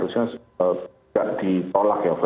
tidak ditolak ya